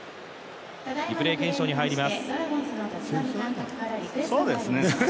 リプレー検証に入ります。